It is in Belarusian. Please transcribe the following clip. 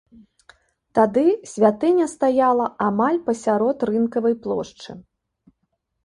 Тады святыня стаяла амаль пасярод рынкавай плошчы.